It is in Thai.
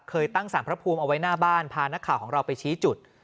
เคยตั้งสารพระภูมิเอาไว้หน้าบ้านพานักข่าวของเราไปชี้จุด